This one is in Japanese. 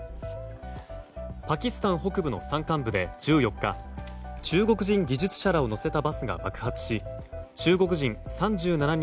パキスタン北部の山間部で１４日中国人技術者らを乗せたバスが爆発し中国人